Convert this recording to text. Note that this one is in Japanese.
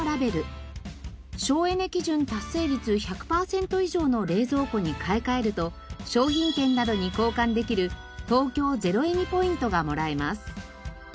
省エネ基準達成率１００パーセント以上の冷蔵庫に買い替えると商品券などに交換できる東京ゼロエミポイントがもらえます。